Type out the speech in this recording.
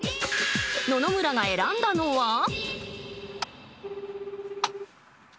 野々村が選んだのは。